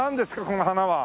この花は。